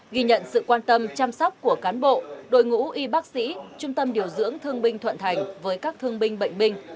ghi nhận sự quan tâm chăm sóc của cán bộ đội ngũ y bác sĩ trung tâm điều dưỡng thương binh thuận thành với các thương binh bệnh binh